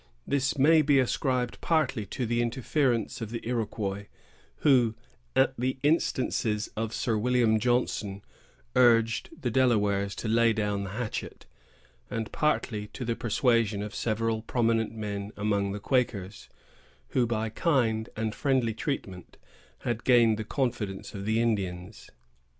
This may be ascribed partly to the interference of the Iroquois, who, at the instances of Sir William Johnson, urged the Delawares to lay down the hatchet, and partly to the persuasions of several prominent men among the Quakers, who, by kind and friendly treatment, had gained the confidence of the Indians.